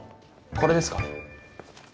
これですか？